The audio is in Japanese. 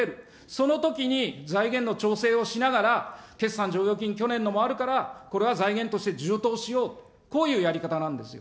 そのときに財源の調整をしながら、決算剰余金、去年のもあるから、これは財源として充当しよう、こういうやり方なんですよ。